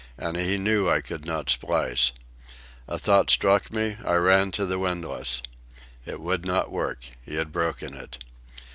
And he knew I could not splice. A thought struck me. I ran to the windlass. It would not work. He had broken it.